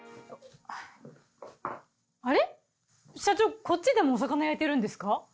あれ社長こっちでもお魚焼いてるんですか？